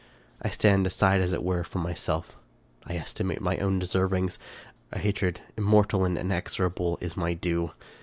I stand aside, as it were, from myself ; I estimate my own deservings ; a hatred, immortal and inexorable, is my due.